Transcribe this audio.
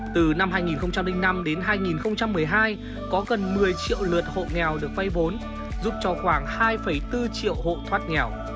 từ năm hai nghìn năm đến hai nghìn một mươi hai có gần một mươi triệu lượt hộ nghèo được phay vốn giúp cho khoảng hai bốn triệu hộ thoát nghèo